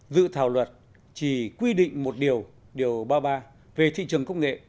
dự thảo luật chỉ quy định một điều điều ba mươi ba về thị trường công nghệ